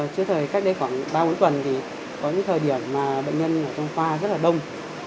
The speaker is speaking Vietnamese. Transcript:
trước thời cách đây khoảng ba bốn tuần thì có những thời điểm mà bệnh nhân ở trong khoa rất là đông